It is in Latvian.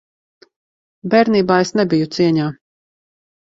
Bērnībā es nebiju cieņā.